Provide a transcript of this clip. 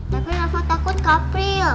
tapi rafa takut kapril